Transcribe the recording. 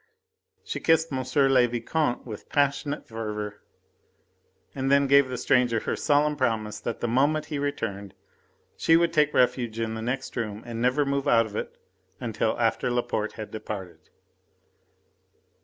She kissed M. le Vicomte with passionate fervour, and then gave the stranger her solemn promise that the moment he returned she would take refuge in the next room and never move out of it until after Laporte had departed.